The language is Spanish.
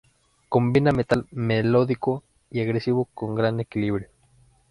Combina metal melódico y agresivo con gran equilibrio.